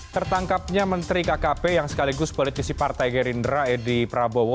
tertangkapnya menteri kkp yang sekaligus politisi partai gerindra edi prabowo